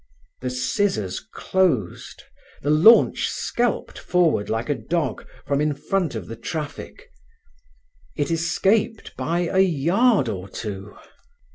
The scissors closed, the launch skelped forward like a dog from in front of the traffic. It escaped by a yard or two.